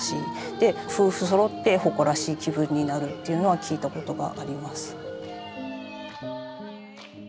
で夫婦そろって誇らしい気分になるっていうのは聞いたことがあります。